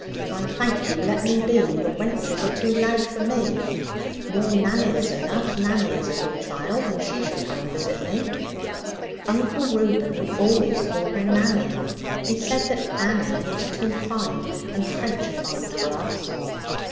I thank you, let me be. The wenches are too loud for me. Your Nanny is enough. Nanny is a good child, and she shall come and visit me.' Uncle Reuben would always call her 'Nanny'; he said that 'Annie' was too fine and Frenchified for us.